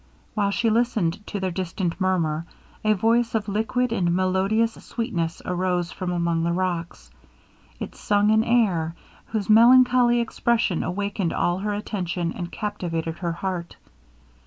While she listened to their distant murmur, a voice of liquid and melodious sweetness arose from among the rocks; it sung an air, whose melancholy expression awakened all her attention, and captivated her heart.